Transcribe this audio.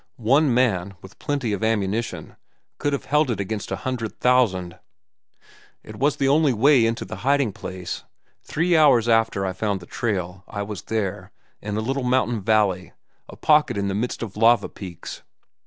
One man, with plenty of ammunition, could have held it against a hundred thousand. "It was the only way in to the hiding place. Three hours after I found the trail I was there, in a little mountain valley, a pocket in the midst of lava peaks.